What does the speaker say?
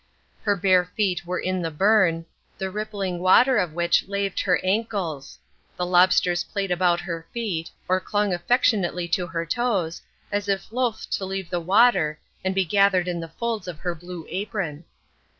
Her bare feet were in the burn, the rippling water of which laved her ankles. The lobsters played about her feet, or clung affectionately to her toes, as if loath to leave the water and be gathered in the folds of her blue apron.